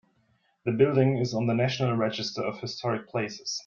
The building is on the National Register of Historic Places.